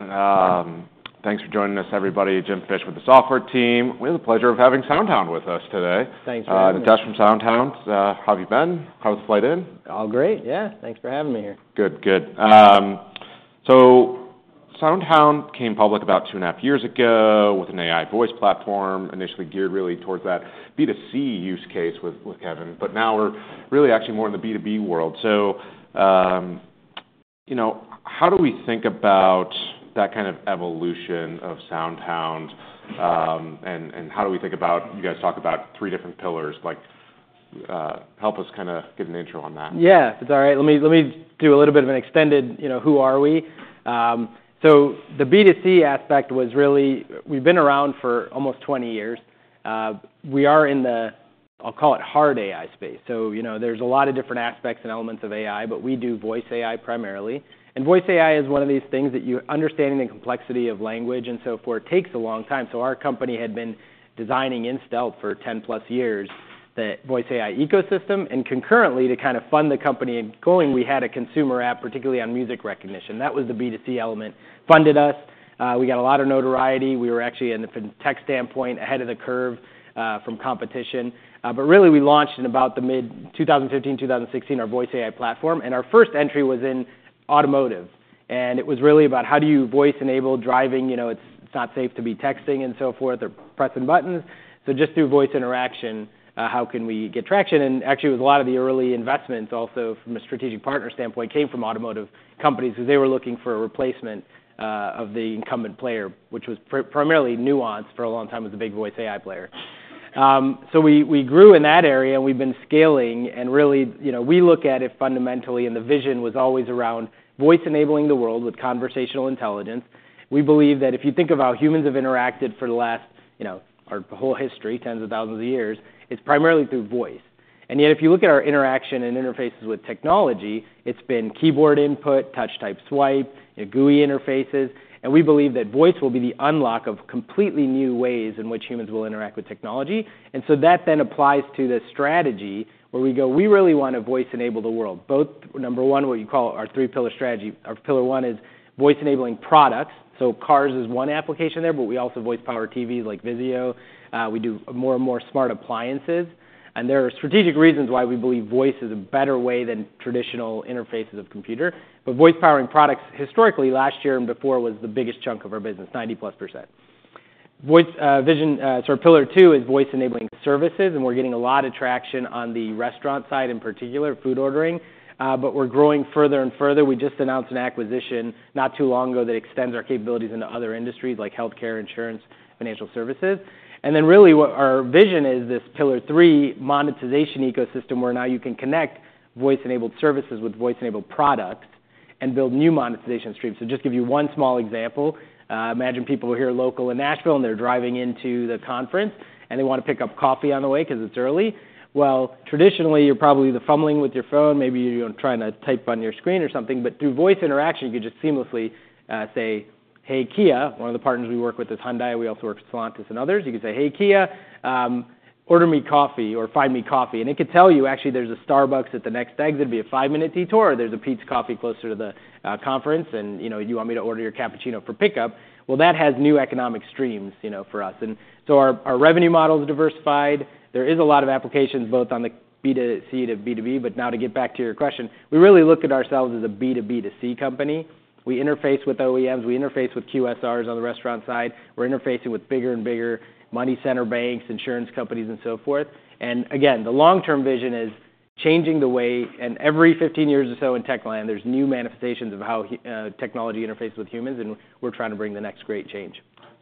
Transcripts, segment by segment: All right. Thanks for joining us, everybody. Jim Fish with the Software team. We have the pleasure of having SoundHound with us today. Thanks for having me. Nitesh from SoundHound. How have you been? How was the flight in? All great. Yeah, thanks for having me here. Good, good. So SoundHound came public about two and a half years ago with an AI voice platform, initially geared really towards that B2C use case with, with Kevin, but now we're really actually more in the B2B world. So, you know, how do we think about that kind of evolution of SoundHound? And how do we think about... You guys talk about three different pillars. Like, help us kinda give an intro on that. Yeah, if it's all right, let me do a little bit of an extended, you know, who are we? So the B2C aspect was really we've been around for almost 20 years. We are in the, I'll call it, hard AI space. So, you know, there's a lot of different aspects and elements of AI, but we do voice AI primarily. And voice AI is one of these things that understanding the complexity of language, and so forth, takes a long time. So our company had been designing in stealth for 10 plus years, the voice AI ecosystem, and concurrently, to kind of fund the company and going, we had a consumer app, particularly on music recognition. That was the B2C element. Funded us, we got a lot of notoriety. We were actually, in the tech standpoint, ahead of the curve, from competition. But really, we launched in about the mid-2015, 2016, our voice AI platform, and our first entry was in automotive. It was really about how do you voice-enable driving? You know, it's not safe to be texting, and so forth, or pressing buttons. So just through voice interaction, how can we get traction? And actually, with a lot of the early investments, also from a strategic partner standpoint, came from automotive companies, because they were looking for a replacement of the incumbent player, which was primarily Nuance for a long time, was the big voice AI player. So we grew in that area, and we've been scaling, and really, you know, we look at it fundamentally, and the vision was always around voice-enabling the world with conversational intelligence. We believe that if you think about how humans have interacted for the last, you know, our whole history, tens of thousands of years, it's primarily through voice, and yet, if you look at our interaction and interfaces with technology, it's been keyboard input, touch-type swipe, you know, GUI interfaces, and we believe that voice will be the unlock of completely new ways in which humans will interact with technology, and so that then applies to the strategy where we go, "We really want to voice-enable the world." Both number one, what you call our three-pillar strategy. Our pillar one is voice-enabling products, so cars is one application there, but we also voice-power TVs like VIZIO. We do more and more smart appliances, and there are strategic reasons why we believe voice is a better way than traditional interfaces of computer. But voice-powering products, historically, last year and before, was the biggest chunk of our business, +90%. Voice, pillar two is voice-enabling services, and we're getting a lot of traction on the restaurant side, in particular, food ordering. But we're growing further and further. We just announced an acquisition not too long ago that extends our capabilities into other industries like healthcare, insurance, financial services. And then, really, what our vision is, this pillar three monetization ecosystem, where now you can connect voice-enabled services with voice-enabled products and build new monetization streams. So just give you one small example, imagine people are here local in Nashville, and they're driving into the conference, and they want to pick up coffee on the way because it's early. Traditionally, you're probably either fumbling with your phone, maybe you're trying to type on your screen or something, but through voice interaction, you could just seamlessly say, "Hey, Kia..." One of the partners we work with is Hyundai. We also work with Stellantis and others. You can say, "Hey, Kia, order me coffee or find me coffee." And it could tell you, "Actually, there's a Starbucks at the next exit. It'd be a five-minute detour. There's a Peet's Coffee closer to the conference, and, you know, you want me to order your cappuccino for pickup?" That has new economic streams, you know, for us. And so our revenue model is diversified. There is a lot of applications, both on the B2C - B2B, but now to get back to your question, we really look at ourselves as a B2B2C company. We interface with OEMs, we interface with QSRs on the restaurant side. We're interfacing with bigger and bigger money center banks, insurance companies, and so forth. And again, the long-term vision is changing the way... And every 15 years or so in tech land, there's new manifestations of how technology interfaces with humans, and we're trying to bring the next great change.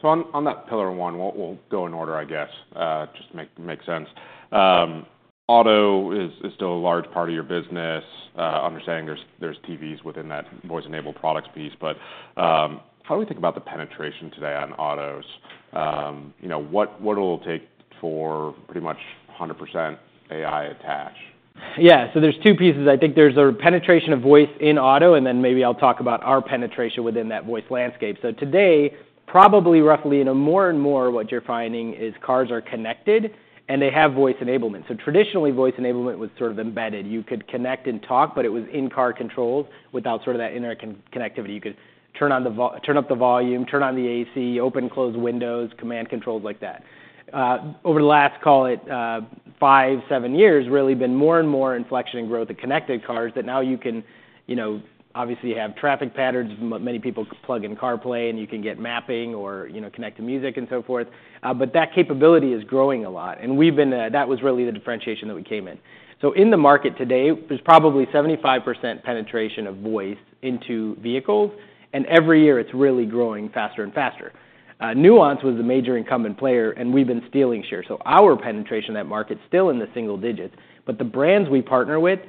On that pillar one, we'll go in order, I guess, just to make sense. Auto is still a large part of your business. Understanding there's TVs within that voice-enabled products piece, but how do we think about the penetration today on autos? You know, what will it take for pretty much 100% AI attach? Yeah, so there's two pieces. I think there's the penetration of voice in auto, and then maybe I'll talk about our penetration within that voice landscape. So today, probably roughly, you know, more and more, what you're finding is cars are connected, and they have voice enablement. So traditionally, voice enablement was sort of embedded. You could connect and talk, but it was in-car controls without sort of that internet connectivity. You could turn up the volume, turn on the AC, open/close windows, command controls like that. Over the last, call it, five, seven years, really been more and more inflection in growth of connected cars that now you can, you know, obviously have traffic patterns. Many people plug in CarPlay, and you can get mapping or, you know, connect to music and so forth. But that capability is growing a lot, and we've been... That was really the differentiation that we came in. So in the market today, there's probably 75% penetration of voice into vehicles, and every year it's really growing faster and faster. Nuance was the major incumbent player, and we've been stealing share. So our penetration in that market is still in the single digits, but the brands we partner with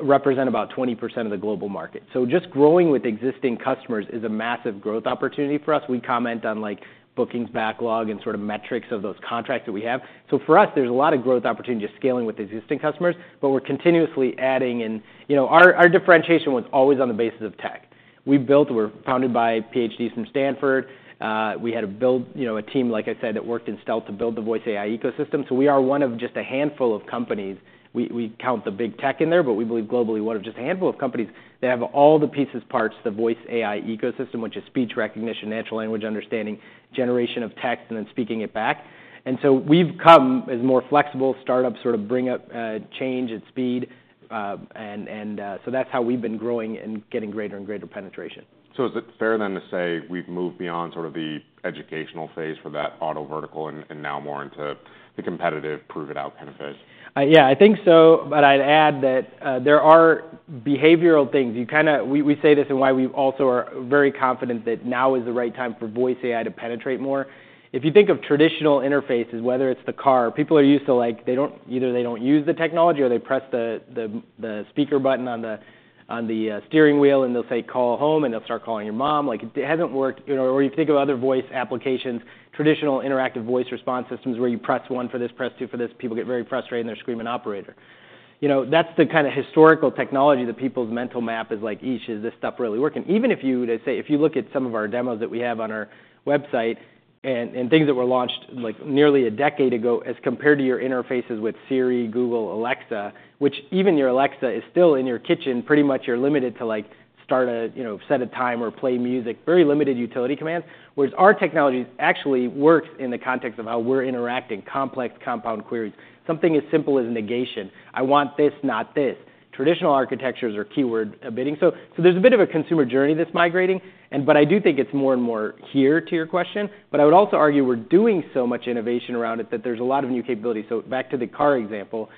represent about 20% of the global market. So just growing with existing customers is a massive growth opportunity for us. We comment on, like, bookings, backlog, and sort of metrics of those contracts that we have. So for us, there's a lot of growth opportunity, just scaling with existing customers, but we're continuously adding in... You know, our differentiation was always on the basis of tech. We built; we're founded by PhDs from Stanford. We had to build, you know, a team, like I said, that worked in stealth to build the voice AI ecosystem, so we are one of just a handful of companies. We count the big tech in there, but we believe globally, one of just a handful of companies that have all the pieces, parts, the voice AI ecosystem, which is speech recognition, natural language understanding, generation of text, and then speaking it back, and so we've come as more flexible start-ups, sort of bring up change and speed, and so that's how we've been growing and getting greater and greater penetration. So is it fair then to say we've moved beyond sort of the educational phase for that auto vertical and now more into the competitive, prove-it-out kind of phase? Yeah, I think so, but I'd add that, there are behavioral things. We say this and why we also are very confident that now is the right time for voice AI to penetrate more. If you think of traditional interfaces, whether it's the car, people are used to, like, either they don't use the technology, or they press the speaker button on the steering wheel, and they'll say, "Call home," and they'll start calling your mom. Like, it hasn't worked, you know, or you think of other voice applications, traditional interactive voice response systems, where you press one for this, press two for this. People get very frustrated, and they're screaming, "Operator." You know, that's the kind of historical technology that people's mental map is like, Eesh, is this stuff really working? Even if you were to say... If you look at some of our demos that we have on our website and things that were launched, like, nearly a decade ago, as compared to your interfaces with Siri, Google, Alexa, which even your Alexa is still in your kitchen, pretty much you're limited to, like, start a, you know, set a time or play music, very limited utility commands. Whereas our technology actually works in the context of how we're interacting, complex, compound queries, something as simple as negation. I want this, not this. Traditional architectures are keyword abiding. So there's a bit of a consumer journey that's migrating, and but I do think it's more and more here, to your question, but I would also argue we're doing so much innovation around it that there's a lot of new capabilities. So back to the car example,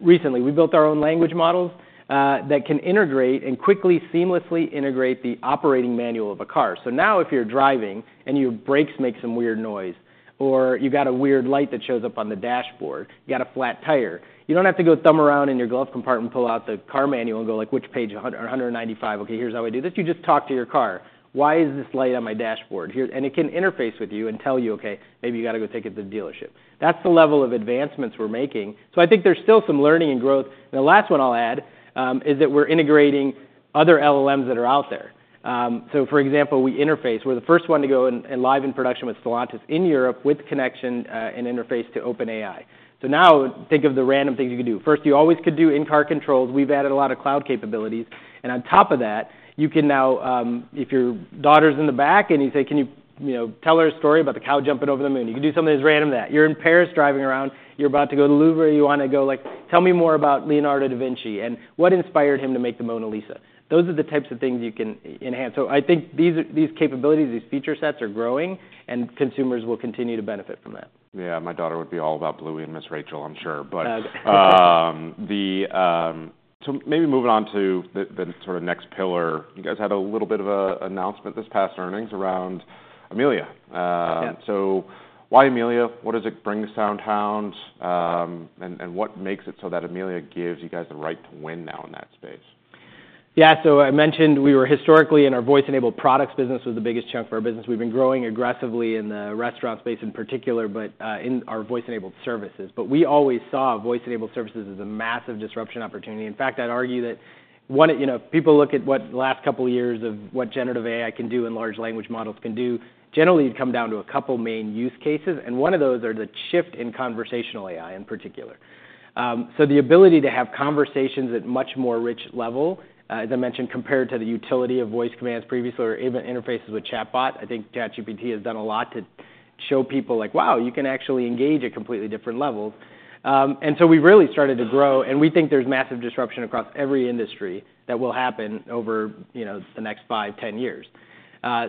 recently, we built our own language models that can integrate and quickly, seamlessly integrate the operating manual of a car. So now, if you're driving, and your brakes make some weird noise, or you got a weird light that shows up on the dashboard, you got a flat tire. You don't have to go thumb around in your glove compartment, pull out the car manual, and go like, "Which page? A 195. Okay, here's how I do this." You just talk to your car. Why is this light on my dashboard? And it can interface with you and tell you, "Okay, maybe you gotta go take it to the dealership." That's the level of advancements we're making. So I think there's still some learning and growth. And the last one I'll add is that we're integrating other LLMs that are out there. So, for example, we interface. We're the first one to go and live in production with Stellantis in Europe, with connection and interface to OpenAI. So now think of the random things you can do. First, you always could do in-car controls. We've added a lot of cloud capabilities, and on top of that, you can now, if your daughter's in the back and you say, "Can you, you know, tell her a story about the cow jumping over the moon?" You can do something as random as that. You're in Paris, driving around, you're about to go to Louvre, or you wanna go like, "Tell me more about Leonardo da Vinci, and what inspired him to make the Mona Lisa?" Those are the types of things you can enhance. So I think these, these capabilities, these feature sets are growing, and consumers will continue to benefit from that. Yeah, my daughter would be all about Bluey and Ms. Rachel. I'm sure. Yeah, So maybe moving on to the sort of next pillar. You guys had a little bit of an announcement this past earnings around Amelia. Yes. Why Amelia? What does it bring to SoundHound? And what makes it so that Amelia gives you guys the right to win now in that space? Yeah, so I mentioned we were historically, and our voice-enabled products business was the biggest chunk of our business. We've been growing aggressively in the restaurant space in particular, but, in our voice-enabled services. But we always saw voice-enabled services as a massive disruption opportunity. In fact, I'd argue that one of, you know, people look at what the last couple of years of what generative AI can do and large language models can do, generally, it'd come down to a couple main use cases, and one of those are the shift in conversational AI, in particular. So the ability to have conversations at much more rich level, as I mentioned, compared to the utility of voice commands previously or even interfaces with chatbot. I think ChatGPT has done a lot to show people, like, wow, you can actually engage at completely different levels. And so we really started to grow, and we think there's massive disruption across every industry that will happen over, you know, the next five, ten years.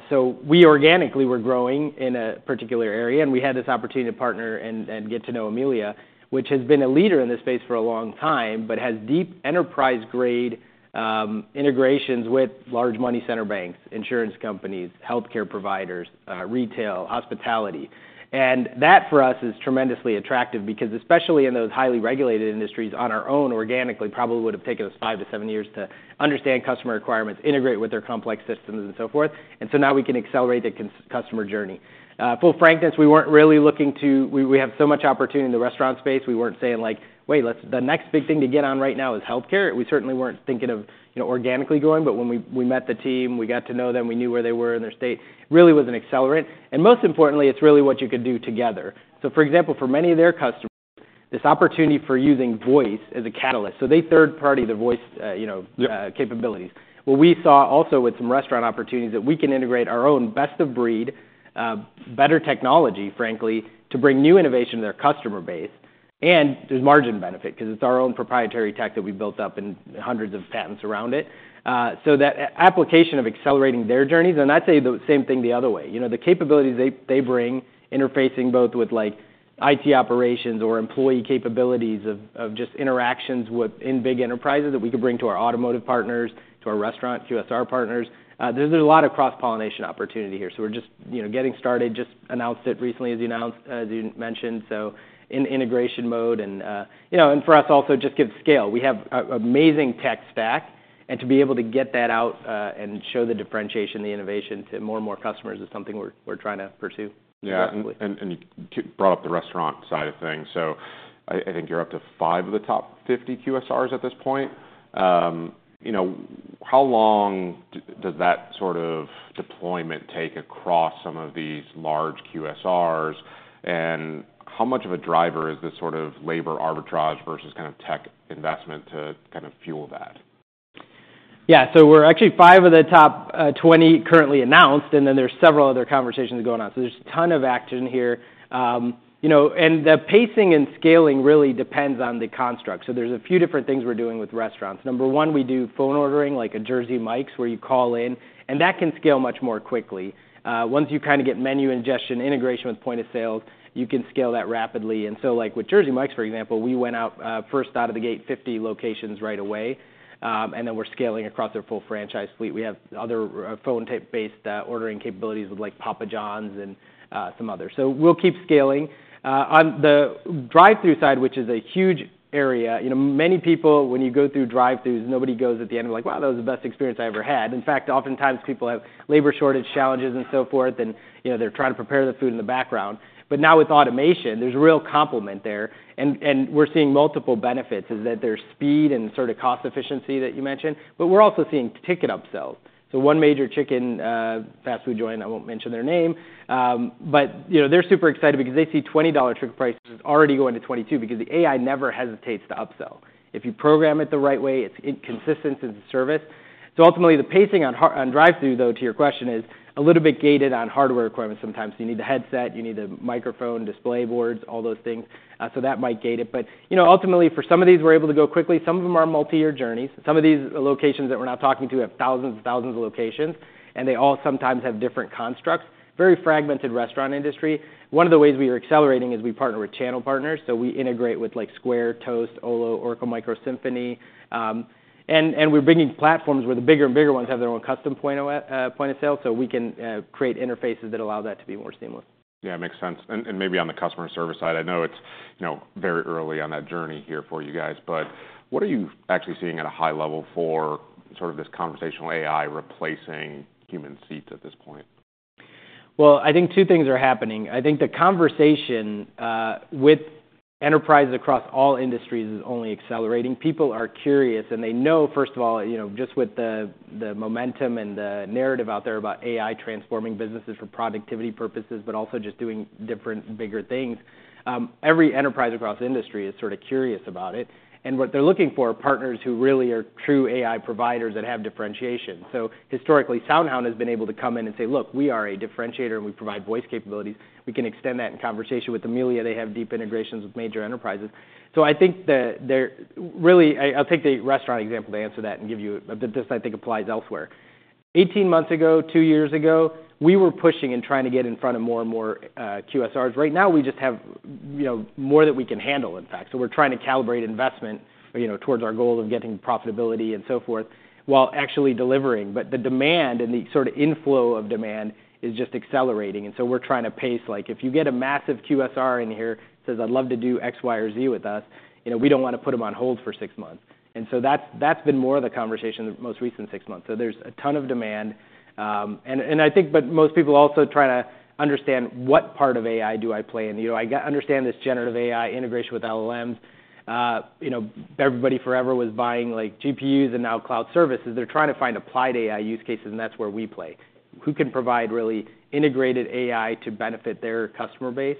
So we organically were growing in a particular area, and we had this opportunity to partner and get to know Amelia, which has been a leader in this space for a long time, but has deep enterprise-grade integrations with large money center banks, insurance companies, healthcare providers, retail, hospitality. And that, for us, is tremendously attractive because, especially in those highly regulated industries, on our own, organically, probably would have taken us five to seven years to understand customer requirements, integrate with their complex systems, and so forth. And so now we can accelerate the customer journey. Full frankness, we weren't really looking to... We had so much opportunity in the restaurant space. We weren't saying like, "Wait, let's-- the next big thing to get on right now is healthcare." We certainly weren't thinking of, you know, organically growing, but when we met the team, we got to know them, we knew where they were in their state. Really was an accelerant, and most importantly, it's really what you could do together. So, for example, for many of their customers, this opportunity for using voice as a catalyst, so they third-party the voice, you know. Yeah... capabilities. What we saw also with some restaurant opportunities, that we can integrate our own best-of-breed, better technology, frankly, to bring new innovation to their customer base, and there's margin benefit because it's our own proprietary tech that we built up and hundreds of patents around it. So that application of accelerating their journeys, and I'd say the same thing the other way. You know, the capabilities they bring, interfacing both with, like, IT operations or employee capabilities of just interactions within big enterprises that we could bring to our automotive partners, to our restaurant, QSR partners. There's a lot of cross-pollination opportunity here, so we're just, you know, getting started. Just announced it recently, as you announced, as you mentioned, so in integration mode. And, you know, and for us also, just gives scale. We have an amazing tech stack and to be able to get that out and show the differentiation, the innovation to more and more customers is something we're trying to pursue. Yeah. Definitely. And you brought up the restaurant side of things. So I think you're up to five of the top fifty QSRs at this point. You know, how long does that sort of deployment take across some of these large QSRs? And how much of a driver is this sort of labor arbitrage versus kind of tech investment to kind of fuel that? Yeah. So we're actually five of the top twenty currently announced, and then there's several other conversations going on. So there's a ton of action here. You know, and the pacing and scaling really depends on the construct. So there's a few different things we're doing with restaurants. Number one, we do phone ordering, like a Jersey Mike's, where you call in, and that can scale much more quickly. Once you kind of get menu ingestion, integration with point of sales, you can scale that rapidly. And so, like with Jersey Mike's, for example, we went out first out of the gate, 50 locations right away. And then we're scaling across their full franchise fleet. We have other phone-type based ordering capabilities with, like, Papa Johns and some others. So we'll keep scaling. On the drive-thru side, which is a huge area, you know, many people, when you go through drive-thrus, nobody goes at the end like, "Wow, that was the best experience I ever had." In fact, oftentimes people have labor shortage challenges and so forth, and, you know, they're trying to prepare the food in the background. But now with automation, there's a real complement there, and we're seeing multiple benefits, is that there's speed and sort of cost efficiency that you mentioned, but we're also seeing ticket upsells. So one major chicken fast food joint, I won't mention their name, but, you know, they're super excited because they see $20 ticket prices already going to $22 because the AI never hesitates to upsell. If you program it the right way, it's consistent in service. So ultimately, the pacing on hardware on drive-thru, though, to your question, is a little bit gated on hardware requirements sometimes. You need a headset, you need a microphone, display boards, all those things. So that might gate it. But, you know, ultimately, for some of these, we're able to go quickly. Some of them are multi-year journeys. Some of these locations that we're now talking to have thousands and thousands of locations, and they all sometimes have different constructs. Very fragmented restaurant industry. One of the ways we are accelerating is we partner with channel partners, so we integrate with, like, Square, Toast, Olo, Oracle MICROS Simphony. And we're bringing platforms where the bigger and bigger ones have their own custom point of sale, so we can create interfaces that allow that to be more seamless. Yeah, makes sense. And maybe on the customer service side, I know it's, you know, very early on that journey here for you guys, but what are you actually seeing at a high level for sort of this conversational AI replacing human seats at this point? Well, I think two things are happening. I think the conversation with enterprises across all industries is only accelerating. People are curious, and they know, first of all, you know, just with the momentum and the narrative out there about AI transforming businesses for productivity purposes, but also just doing different and bigger things, every enterprise across industry is sort of curious about it. And what they're looking for are partners who really are true AI providers that have differentiation. So historically, SoundHound has been able to come in and say: Look, we are a differentiator, and we provide voice capabilities. We can extend that in conversation with Amelia. They have deep integrations with major enterprises. So I think really, I'll take the restaurant example to answer that and give you, but this, I think, applies elsewhere. Eighteen months ago, two years ago, we were pushing and trying to get in front of more and more QSRs. Right now, we just have, you know, more than we can handle, in fact. So we're trying to calibrate investment, you know, towards our goal of getting profitability and so forth, while actually delivering. But the demand and the sort of inflow of demand is just accelerating, and so we're trying to pace. Like, if you get a massive QSR in here, says: I'd love to do X, Y, or Z with us, you know, we don't wanna put them on hold for six months. And so that's been more of the conversation in the most recent six months. So there's a ton of demand, and I think, but most people also try to understand what part of AI do I play in? You know, I understand this generative AI integration with LLMs. You know, everybody forever was buying, like, GPUs and now cloud services. They're trying to find applied AI use cases, and that's where we play. Who can provide really integrated AI to benefit their customer base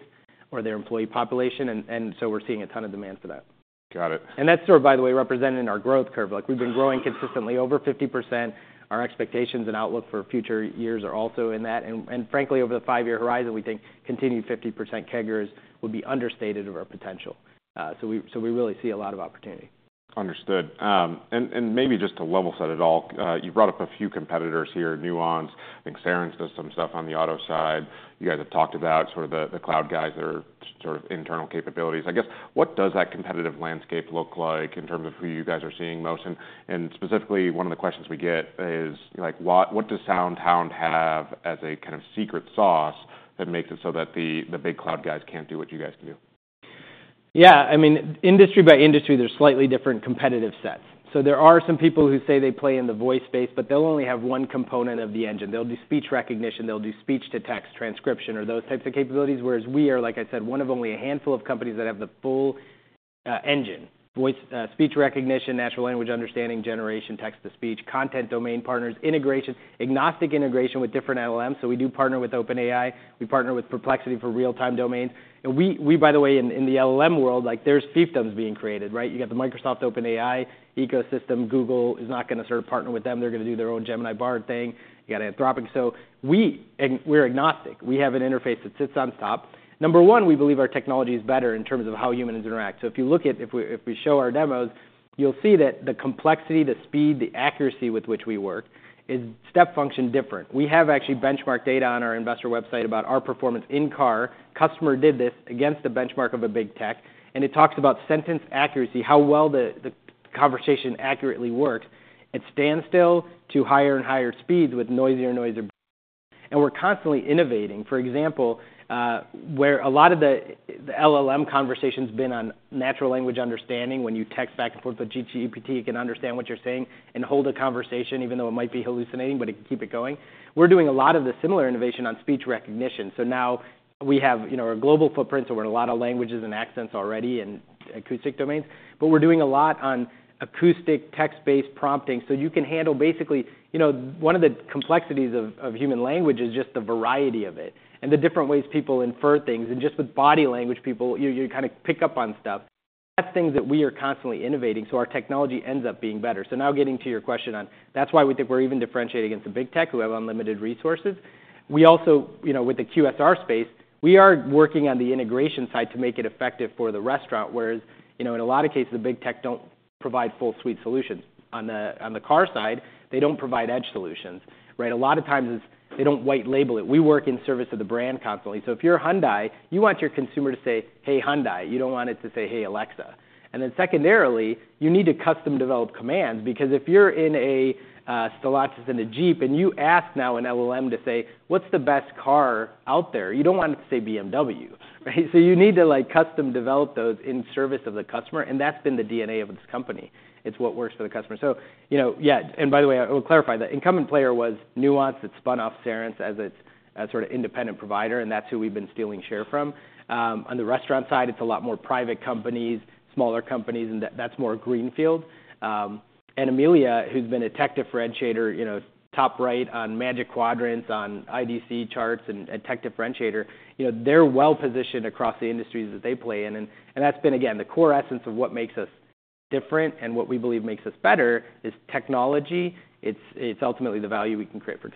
or their employee population, and so we're seeing a ton of demand for that. Got it. That's sort of, by the way, represented in our growth curve. Like, we've been growing consistently over 50%. Our expectations and outlook for future years are also in that. Frankly, over the five-year horizon, we think continued 50% CAGRs would be understated of our potential. We really see a lot of opportunity. Understood. And maybe just to level set it all, you brought up a few competitors here, Nuance. I think Cerence does some stuff on the auto side. You guys have talked about sort of the cloud guys that are sort of internal capabilities. I guess, what does that competitive landscape look like in terms of who you guys are seeing most? And specifically, one of the questions we get is, like, what does SoundHound have as a kind of secret sauce that makes it so that the big cloud guys can't do what you guys can do? Yeah. I mean, industry by industry, there's slightly different competitive sets. So there are some people who say they play in the voice space, but they'll only have one component of the engine. They'll do speech recognition, they'll do speech-to-text transcription, or those types of capabilities. Whereas we are, like I said, one of only a handful of companies that have the full, engine: voice, speech recognition, natural language understanding, generation, text-to-speech, content domain partners, integration, agnostic integration with different LLMs. So we do partner with OpenAI, we partner with Perplexity for real-time domains. And we, by the way, in the LLM world, like, there's fiefdoms being created, right? You got the Microsoft OpenAI ecosystem. Google is not gonna sort of partner with them. They're gonna do their own Gemini Bard thing. You got Anthropic. So we're agnostic. We have an interface that sits on top. Number one, we believe our technology is better in terms of how humans interact so if we show our demos, you'll see that the complexity, the speed, the accuracy with which we work is step function different. We have actually benchmarked data on our investor website about our performance in-car. We did this against the benchmark of a big tech, and it talks about sentence accuracy, how well the conversation accurately worked. It stands up to higher and higher speeds with noisier and noisier, and we're constantly innovating. For example, where a lot of the LLM conversation's been on natural language understanding, when you text back and forth with GPT, it can understand what you're saying and hold a conversation, even though it might be hallucinating, but it can keep it going. We're doing a lot of the similar innovation on speech recognition. So now we have, you know, our global footprint, so we're in a lot of languages and accents already in acoustic domains, but we're doing a lot on acoustic, text-based prompting, so you can handle basically. You know, one of the complexities of, of human language is just the variety of it and the different ways people infer things, and just with body language, people, you, you kind of pick up on stuff. That's things that we are constantly innovating, so our technology ends up being better. So now getting to your question on. That's why we think we're even differentiating against the big tech, who have unlimited resources. We also, you know, with the QSR space, we are working on the integration side to make it effective for the restaurant, whereas, you know, in a lot of cases, the big tech don't provide full suite solutions. On the, on the car side, they don't provide edge solutions, right? A lot of times, it's they don't white label it. We work in service of the brand constantly. So if you're Hyundai, you want your consumer to say, "Hey, Hyundai." You don't want it to say, "Hey, Alexa." And then secondarily, you need to custom develop commands, because if you're in a Stellantis in a Jeep, and you ask now an LLM to say, "What's the best car out there?" You don't want it to say BMW, right? So you need to, like, custom develop those in service of the customer, and that's been the DNA of this company. It's what works for the customer. So, you know, yeah, and by the way, I will clarify, the incumbent player was Nuance. It spun off Cerence as its sort of independent provider, and that's who we've been stealing share from. On the restaurant side, it's a lot more private companies, smaller companies, and that's more greenfield. And Amelia, who's been a tech differentiator, you know, top right on Magic Quadrants, on IDC charts, and a tech differentiator, you know, they're well-positioned across the industries that they play in. And that's been, again, the core essence of what makes us different and what we believe makes us better is technology. It's ultimately the value we can create for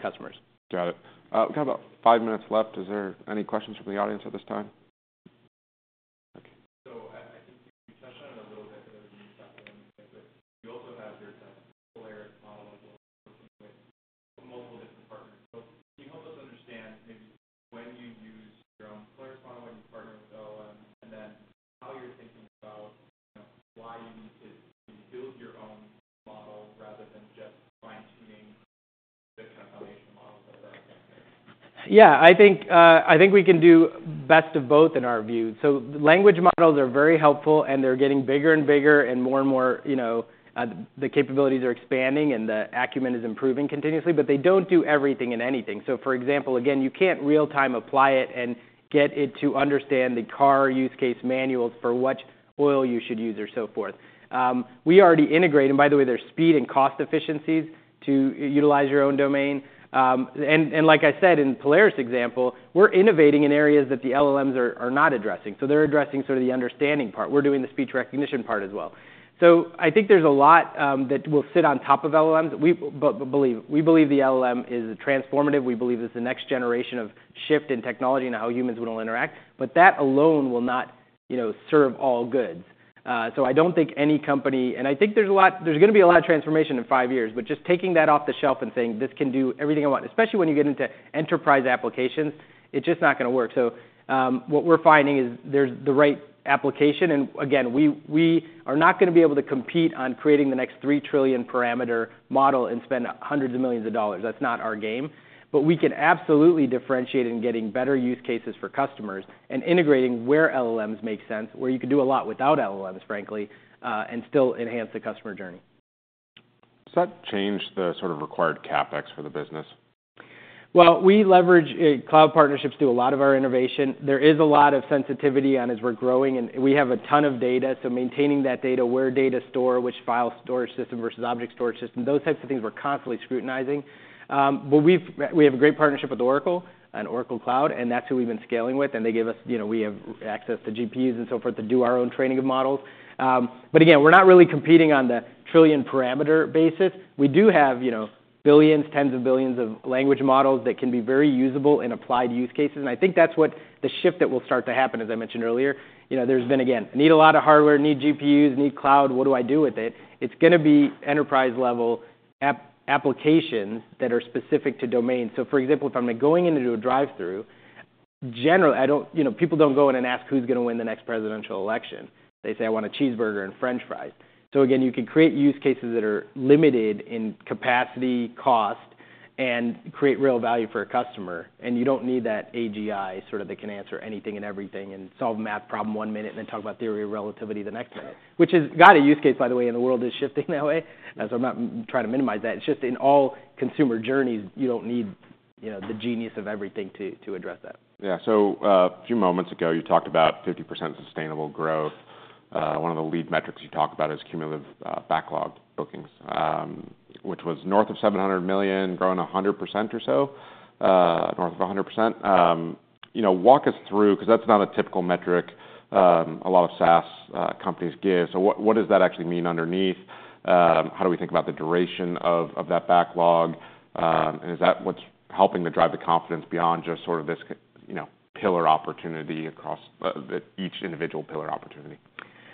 customers. Got it. We've got about five minutes left. Is there any questions from the audience at this time? And like I said, in Polaris example, we're innovating in areas that the LLMs are not addressing. So they're addressing sort of the understanding part. We're doing the speech recognition part as well. So I think there's a lot that will fit on top of LLMs. We believe the LLM is transformative. We believe it's the next generation of shift in technology and how humans would all interact, but that alone will not, you know, serve all goods. So I don't think any company. And I think there's gonna be a lot of transformation in five years, but just taking that off the shelf and saying, "This can do everything I want," especially when you get into enterprise applications, it's just not gonna work. So, what we're finding is there's the right application, and again, we are not gonna be able to compete on creating the next three trillion parameter model and spend hundreds of millions of dollars. That's not our game. But we can absolutely differentiate in getting better use cases for customers and integrating where LLMs make sense, where you can do a lot without LLMs, frankly, and still enhance the customer journey. Does that change the sort of required CapEx for the business? We leverage cloud partnerships do a lot of our innovation. There is a lot of sensitivity, and as we're growing, and we have a ton of data, so maintaining that data, where data store, which file storage system versus object storage system, those types of things we're constantly scrutinizing. But we have a great partnership with Oracle and Oracle Cloud, and that's who we've been scaling with, and they give us. You know, we have access to GPUs and so forth to do our own training of models. But again, we're not really competing on the trillion parameter basis. We do have, you know, billions, tens of billions of language models that can be very usable in applied use cases, and I think that's what the shift that will start to happen, as I mentioned earlier. You know, there's been, again, need a lot of hardware, need GPUs, need cloud. What do I do with it? It's gonna be enterprise-level applications that are specific to domain. So, for example, if I'm going in to do a drive-thru, generally, you know, people don't go in and ask who's gonna win the next presidential election. They say, "I want a cheeseburger and French fries." So again, you can create use cases that are limited in capacity, cost, and create real value for a customer, and you don't need that AGI, sort of that can answer anything and everything and solve a math problem one minute and then talk about theory of relativity the next minute. Which has got a use case, by the way, and the world is shifting that way, so I'm not trying to minimize that. It's just in all consumer journeys, you don't need, you know, the genius of everything to address that. Yeah. So, a few moments ago, you talked about 50% sustainable growth. One of the lead metrics you talked about is cumulative backlog bookings, which was north of $700 million, growing 100% or so, north of 100%. You know, walk us through, because that's not a typical metric a lot of SaaS companies give. So what does that actually mean underneath? How do we think about the duration of that backlog? And is that what's helping to drive the confidence beyond just sort of this you know, pillar opportunity across each individual pillar opportunity?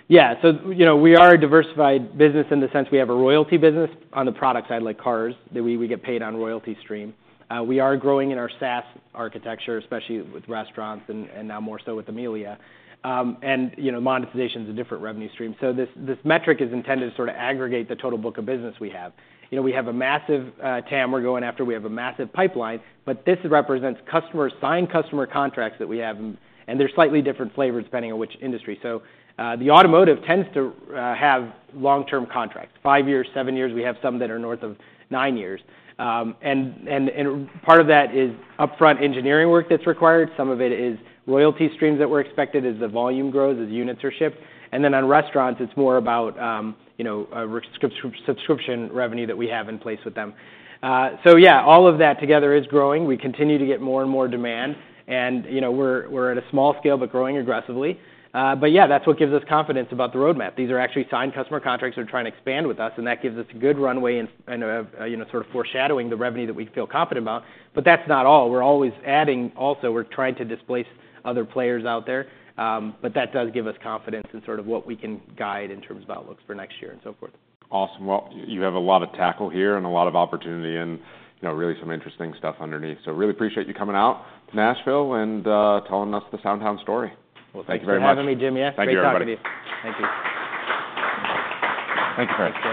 Yeah. So, you know, we are a diversified business in the sense we have a royalty business on the product side, like cars, that we get paid on royalty stream. We are growing in our SaaS architecture, especially with restaurants and now more so with Amelia. And, you know, monetization is a different revenue stream. So this metric is intended to sort of aggregate the total book of business we have. You know, we have a massive TAM we're going after. We have a massive pipeline, but this represents signed customer contracts that we have, and they're slightly different flavors, depending on which industry. So the automotive tends to have long-term contracts, five years, seven years. We have some that are north of nine years. And part of that is upfront engineering work that's required. Some of it is royalty streams that we're expected as the volume grows, as units are shipped. And then on restaurants, it's more about, you know, subscription revenue that we have in place with them. So yeah, all of that together is growing. We continue to get more and more demand, and, you know, we're at a small scale, but growing aggressively. But yeah, that's what gives us confidence about the roadmap. These are actually signed customer contracts who are trying to expand with us, and that gives us good runway and, you know, sort of foreshadowing the revenue that we feel confident about. But that's not all. We're always adding... Also, we're trying to displace other players out there. But that does give us confidence in sort of what we can guide in terms of outlooks for next year and so forth. Awesome. Well, you have a lot to tackle here and a lot of opportunity and, you know, really some interesting stuff underneath. So really appreciate you coming out to Nashville and telling us the SoundHound story. Thank you very much. Thank you for having me, Jim. Yeah. Thank you, everybody. Thank you. Thank you very much.